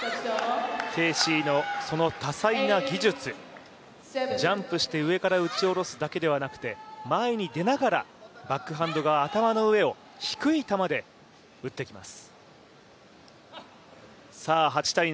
鄭思緯の多彩な技術、ジャンプして打ち下ろすだけではなくて前に出ながら、バックハンド側、頭の上を低い球で打ってきます。